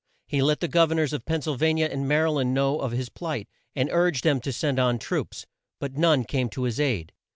He let the Gov er nors of Penn syl va ni a and Ma ry land know of his plight, and urged them to send on troops. But none came to his aid.